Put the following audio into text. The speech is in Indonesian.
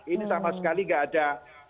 ini sama sekali nggak ada